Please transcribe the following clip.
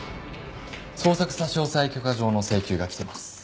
捜索差押許可状の請求が来てます。